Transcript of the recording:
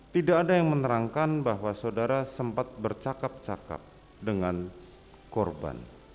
tidak ada yang menerangkan bahwa saudara sempat bercakap cakap dengan korban